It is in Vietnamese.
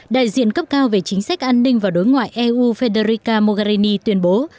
đại diện cấp cao về chính sách an ninh và đối ngoại eu federica mogherini tuyên bố